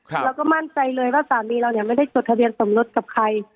เราก็มั่นใจเลยว่าสามีเราเนี่ยไม่ได้จดทะเบียนสมรสกับใคร